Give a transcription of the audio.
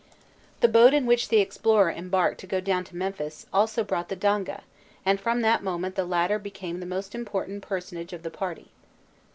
The boat in which the explorer embarked to go down to Memphis, also brought the Danga, and from that moment the latter became the most important personage of the party.